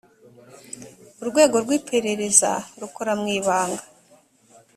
urwego rw’iperereza rukora mwibanga.